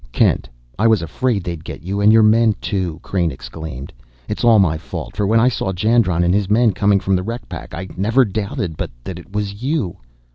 "Kent, I was afraid they'd get you and your men too!" Crain exclaimed. "It's all my fault, for when I saw Jandron and his men coming from the wreck pack I never doubted but that it was you."